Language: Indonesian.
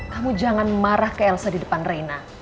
kamu jangan marah ke elsa di depan reina